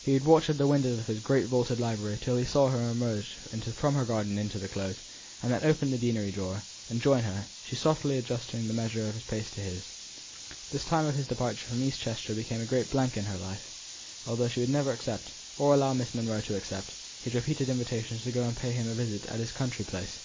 He would watch at the windows of his great vaulted library till he saw her emerge from the garden into the Close, and then open the deanery door, and join her, she softly adjusting the measure of her pace to his. The time of his departure from East Chester became a great blank in her life, although she would never accept, or allow Miss Monro to accept, his repeated invitations to go and pay him a visit at his country place.